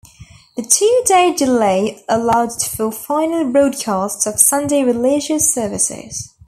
The two-day delay allowed for final broadcasts of Sunday religious services.